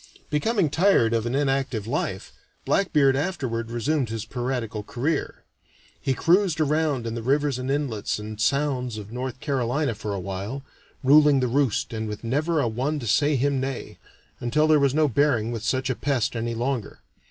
Becoming tired of an inactive life, Blackbeard afterward resumed his piratical career. He cruised around in the rivers and inlets and sounds of North Carolina for a while, ruling the roost and with never a one to say him nay, until there was no bearing with such a pest any longer.